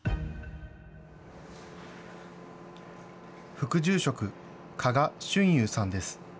副住職、加賀俊裕さんです。